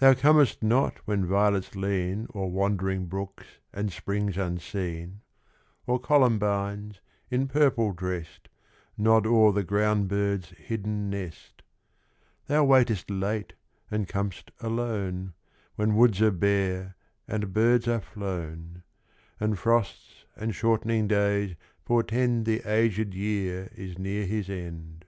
Thou comest not when violets lean O'er wandering brooks and springs unseen, Or columbines, in purple dressed, Nod o'er the ground bird's hidden nest. Thou waitest late and com'st alone, When woods are bare and birds are flown, And frosts and shortening days portend The aged year is near his end.